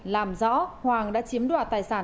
làm rõ hoàng đã chiếm đoạt tài sản